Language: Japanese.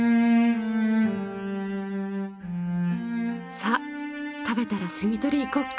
さあ食べたらセミ取り行こっか！